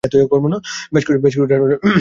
বেশ কিছু টাকা করতে পারলে খুব খুশী হব।